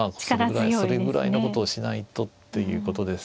それぐらいのことをしないとということですかね。